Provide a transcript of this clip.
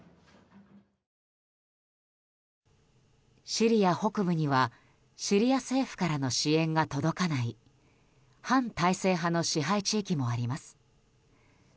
シリア北部にはシリア政府からの支援が届かない反体制派の支配地域もあります。